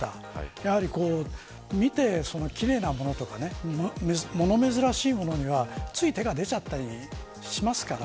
やはり、見て奇麗なものとか物珍しいものにはつい手が出ちゃったりしますから。